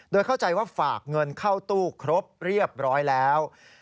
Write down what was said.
โดยเข้าใจว่าฝากเงินเข้าตู้ครบเรียบร้อยแล้ว